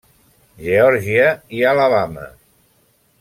Geòrgia i Alabama.